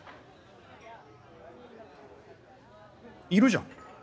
いるじゃん。